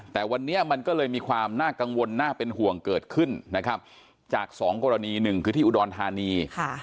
แต่วันนี้มันก็เลยมีความน่ากังวลน่าเป็นห่วงเกิดขึ้นนะครับจากสองกรณีหนึ่งคือที่อุดรธานี